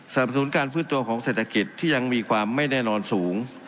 สนุนการฟื้นตัวของเศรษฐกิจที่ยังมีความไม่แน่นอนสูง